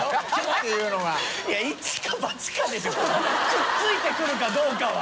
くっついてくるかどうかは。